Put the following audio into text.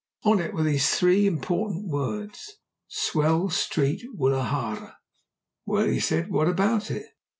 On it were these three important words, " swell Street, Woolahra." "Well," he said, "what about it?"